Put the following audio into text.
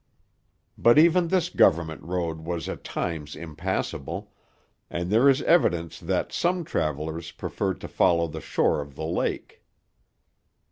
But even this government road was at times impassable; and there is evidence that some travellers preferred to follow the shore of the lake.